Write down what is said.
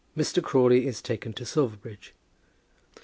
MR. CRAWLEY IS TAKEN TO SILVERBRIDGE.